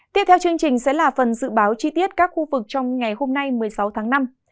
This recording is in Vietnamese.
tiếp theo chương trình sẽ là phần dự báo chi tiết các khu vực trong ngày hôm nay một mươi sáu tháng năm